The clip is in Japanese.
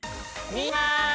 みんな！